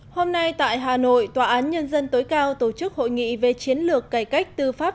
hôm nay tại hà nội tòa án nhân dân tối cao tổ chức hội nghị về chiến lược cải cách tư pháp